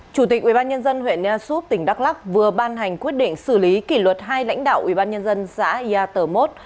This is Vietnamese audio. chủ tịch ubnd huyện nha súp tỉnh đắk lắc vừa ban hành quyết định xử lý kỷ luật hai lãnh đạo ubnd xã yà tờ mốt